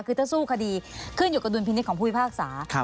คือถ้าสู้คดีขึ้นอยู่กระดุนพินิษฐ์ของผู้หญิงภาคศาสตร์